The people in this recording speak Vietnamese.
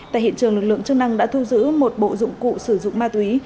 tại hiện trường lực lượng chức năng đã thu giữ một bộ dụng cụ sử dụng ma túy